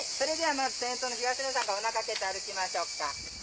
まず先頭の東野さんおなか蹴って歩きましょうか。